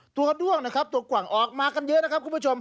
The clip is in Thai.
ด้วงนะครับตัวกว่างออกมากันเยอะนะครับคุณผู้ชม